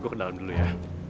gue ke dalam dulu ya